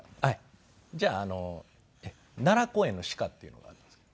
じゃあ奈良公園の鹿っていうのがあるんですけど。